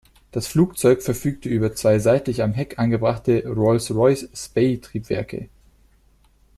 Das Flugzeug verfügte über zwei seitlich am Heck angebrachte Rolls-Royce-Spey-Triebwerke.